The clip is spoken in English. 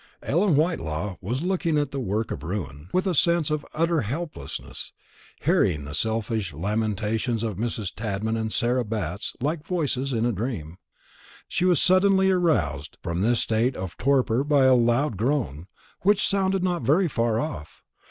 While Ellen Whitelaw was looking on at the work of ruin, with a sense of utter helplessness, hearing the selfish lamentations of Mrs. Tadman and Sarah Batts like voices in a dream, she was suddenly aroused from this state of torpor by a loud groan, which sounded from not very far off.